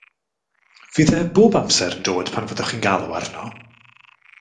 Fydd e bob amser yn dod pan fyddwch chi'n galw arno?